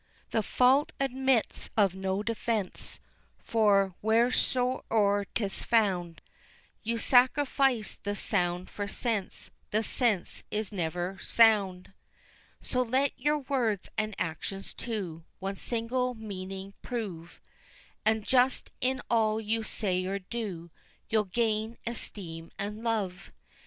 The fault admits of no defence, for wheresoe'er 'tis found, You sacrifice the sound for sense; the sense is never sound. So let your words and actions, too, one single meaning prove, And just in all you say or do, you'll gain esteem and love.